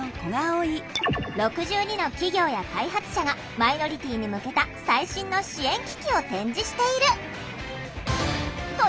６２の企業や開発者がマイノリティーに向けた最新の支援機器を展示している。